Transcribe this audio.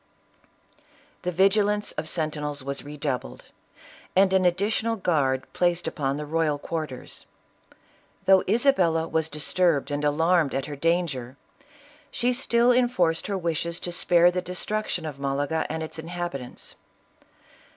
The vigilance of sentinels was redoubled, and an additional guard placed in the royal quarters . Though Isabella was disturbed and alarmed at her danger, she still enforced her wishes to spare the destruction of Malaga and its inhabitants.